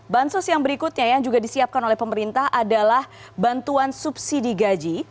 bansos yang berikutnya yang juga disiapkan oleh pemerintah adalah bantuan subsidi gaji